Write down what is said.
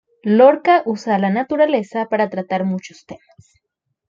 Lorca usa a la naturaleza para tratar muchos temas.